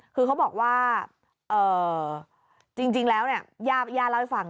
คือเขาบอกว่าจริงแล้วเนี่ยย่าเล่าให้ฟัง